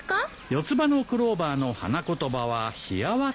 四つ葉のクローバーの花言葉は「幸せ」って言うからね。